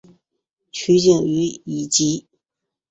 取景于以及。